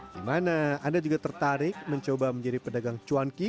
gimana anda juga tertarik mencoba menjadi pedagang cuanki